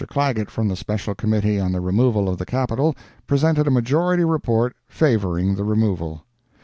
Clagett, from the Special Committee on the removal of the capital, presented a majority report favoring the removal.